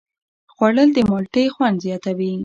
خوړل د مالټې خوند زیاتوي